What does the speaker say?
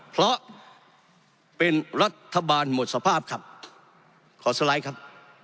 เพราะเป็นรัฐบาลหมดสภาพครับขอสไลด์ครับ